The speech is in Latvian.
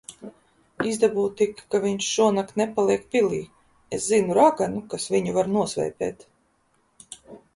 Izdabū tik, ka viņš šonakt nepaliek pilī. Es zinu raganu, kas viņu var nosvēpēt.